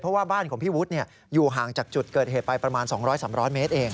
เพราะว่าบ้านของพี่วุฒิอยู่ห่างจากจุดเกิดเหตุไปประมาณ๒๐๐๓๐๐เมตรเอง